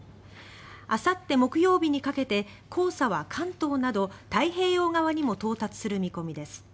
あさって木曜日にかけて黄砂は関東など太平洋側にも到達する見込みです。